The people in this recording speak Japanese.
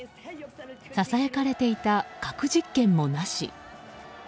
ささやかれていた核実験もなし。